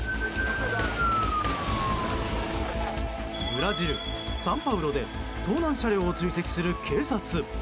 ブラジル・サンパウロで盗難車両を追跡する警察。